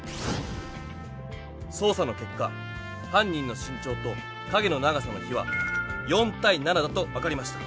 捜査のけっか犯人の身長と影の長さの比は４対７だと分かりました。